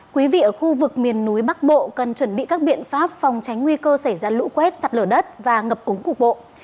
quý vị ở khu vực miền núi bắc bộ cần chuẩn bị các biện pháp phòng tránh nguy cơ xảy ra lũ quét sạt lở đất và ngập úng cục bộ